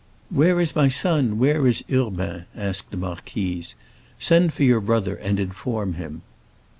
"Where is my son—where is Urbain?" asked the marquise. "Send for your brother and inform him."